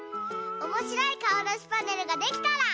おもしろいかおだしパネルができたら。